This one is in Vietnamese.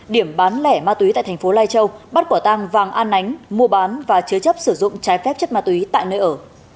điểm bán lẻ ma túy tại thành phố lai châu bắt quả tang vàng an ánh mua bán và chứa chấp sử dụng trái phép chất ma túy tại nơi ở